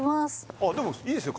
あっでもいいですよ